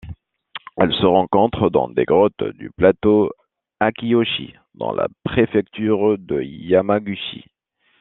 Elle se rencontre dans des grottes du plateau Akiyoshi dans la préfecture de Yamaguchi.